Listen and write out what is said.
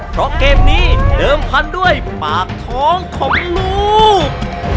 เพราะเกมนี้เดิมพันธุ์ด้วยปากท้องของลูก